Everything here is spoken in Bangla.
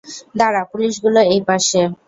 দাঁড়া, পুলিশগুলো এই পাসে।